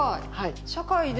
社会で。